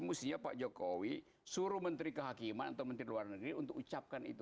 mestinya pak jokowi suruh menteri kehakiman atau menteri luar negeri untuk ucapkan itu